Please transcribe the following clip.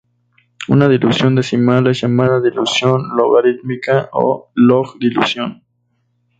Una dilución decimal es llamada dilución logarítmica o log-dilución.